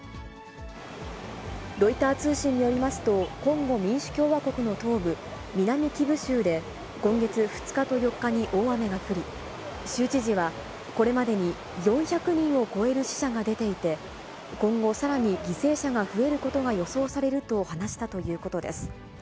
ロイター通信によりますと、コンゴ民主共和国の東部、南キブ州で、今月２日と４日に大雨が降り、州知事はこれまでに４００人を超える死者が出ていて、今後、さらに犠牲者が増えることが予想されると話したということです。